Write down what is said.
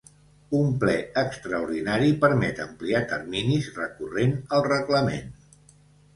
Un ple extraordinari permet ampliar terminis recorrent al reglament.